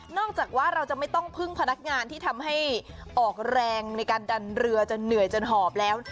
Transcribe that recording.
จากว่าเราจะไม่ต้องพึ่งพนักงานที่ทำให้ออกแรงในการดันเรือจนเหนื่อยจนหอบแล้ว